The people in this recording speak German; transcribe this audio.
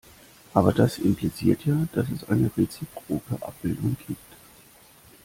Aber das impliziert ja, dass es eine reziproke Abbildung gibt.